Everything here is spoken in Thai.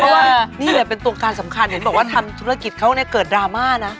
เพราะว่านี่แหละเป็นตัวการสำคัญเห็นบอกว่าทำธุรกิจเขาเนี่ยเกิดดราม่านะ